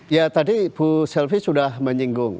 ya tadi bu selvi sudah menyinggung